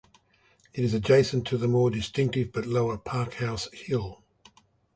It is adjacent to the more distinctive but lower Parkhouse Hill.